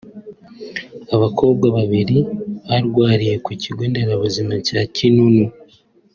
Abakobwa babiri barwariye ku kigo nderabuzima cya Kinunu